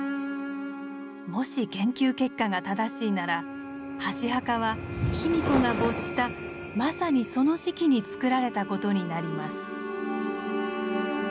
もし研究結果が正しいなら箸墓は卑弥呼が没したまさにその時期につくられたことになります。